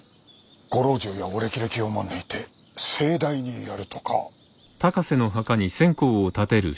ご老中やお歴々を招いて盛大にやるとか。